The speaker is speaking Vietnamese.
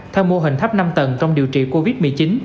theo mô hình thấp năm tầng trong điều trị covid một mươi chín